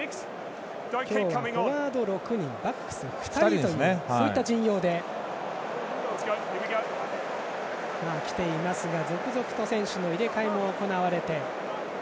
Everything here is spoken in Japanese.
今日はフォワード６人バックス２人というそういった陣容で来ていますが続々と選手の入れ替えも行われて。